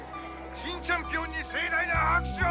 新チャンピオンに盛大な拍手を！